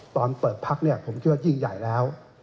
ตอนเปิดพักผมเชื่อว่ายิ่งใหญ่แล้ว